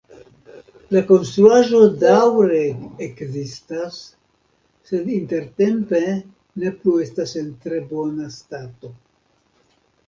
La konstruaĵo daŭre ekzistas, sed intertempe ne plu estas en tre bona stato.